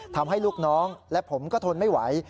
ทำให้ลูกน้องและผมก็ทนไม่ไหว